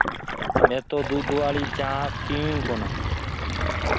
مي تو دودوآݪي چآنه پيئو ئي ڪونآ